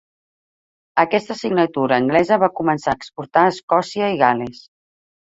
Aquesta signatura anglesa va començar a exportar a Escòcia i Gal·les.